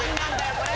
これ。